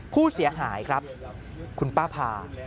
ผู้เสียหายครับคุณป้าพา